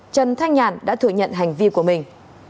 trần thanh nhàn đã thừa nhận hành vi của mình